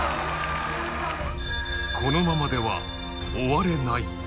このままでは終われない。